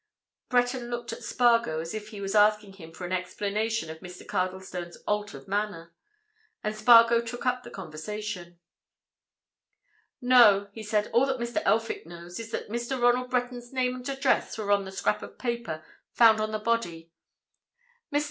Breton looked at Spargo as if he was asking him for an explanation of Mr. Cardlestone's altered manner. And Spargo took up the conversation. "No," he said. "All that Mr. Elphick knows is that Mr. Ronald Breton's name and address were on the scrap of paper found on the body. Mr.